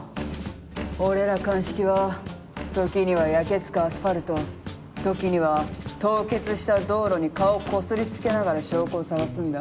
俺ら鑑識は時には焼け付くアスファルト時には凍結した道路に顔こすりつけながら証拠を捜すんだ。